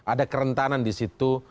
ada kerentanan disitu